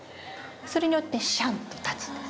それによってシャンと立つんです。